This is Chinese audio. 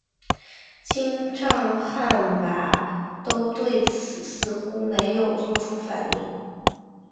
金帐汗拔都对此似乎没有作出反应。